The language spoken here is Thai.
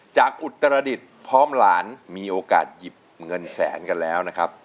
อุตรดิษฐ์พร้อมหลานมีโอกาสหยิบเงินแสนกันแล้วนะครับ